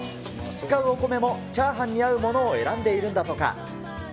使うお米も炒飯に合うものを選んでいるんだとか。